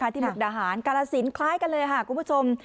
ที่บุรัฐอาหารกลาศิลป์คล้ายกันเลยครับคุณผู้ชม